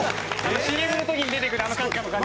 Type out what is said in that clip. ＣＭの時に出てくるあの閣下の感じ。